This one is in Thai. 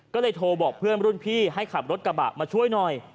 ก็เลยโทรบอกเพื่อนรุ่นพี่ให้ขับรถกระบะมาช่วยหน่อย